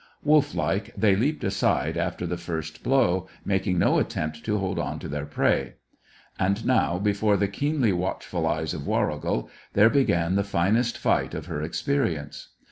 Wolf like, they leaped aside after the first blow, making no attempt to hold on to their prey. And now, before the keenly watchful eyes of Warrigal, there began the finest fight of her experience.